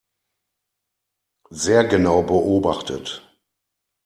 Sehr genau beobachtet.